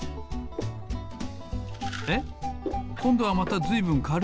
えっこんどはまたずいぶんかるそうなはこ。